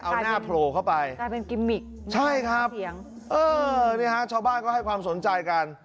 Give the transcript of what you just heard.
ป้ายนี้แหละเอาหน้าโพลเข้าไปใช่ครับชาวบ้านก็ให้ความสนใจกัน